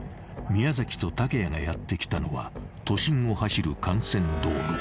［宮と竹谷がやって来たのは都心を走る幹線道路］